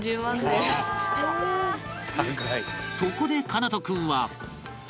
そこで奏都君は